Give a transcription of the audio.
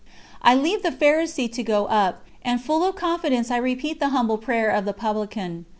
I leave the Pharisee to go up, and full of confidence I repeat the humble prayer of the Publican.